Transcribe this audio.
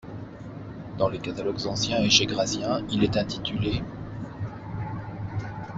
Dans les catalogues anciens et chez Gratien, il est intitulé '.